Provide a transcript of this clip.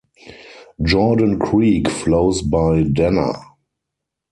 Jordan Creek flows by Danner.